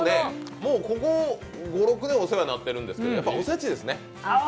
もうここ５６年お世話になってるんですけど、お節ですね。